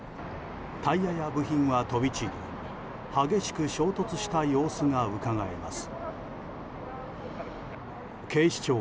タイヤや部品は飛び散り激しく衝突した様子がうかがえます。